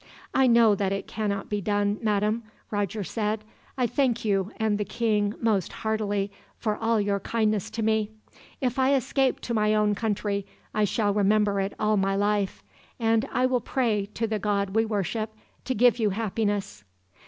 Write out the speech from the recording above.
"I know that it cannot be done, Madam," Roger said. "I thank you and the king, most heartily, for all your kindness to me. If I escape to my own country, I shall remember it all my life; and I will pray, to the God we worship, to give you happiness."